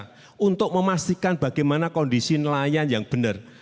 saya ingin memastikan kondisi nelayan yang benar